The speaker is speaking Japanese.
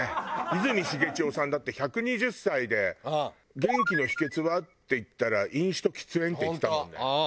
泉重千代さんだって１２０歳で「元気の秘訣は？」って言ったら「飲酒と喫煙」って言ってたもんね。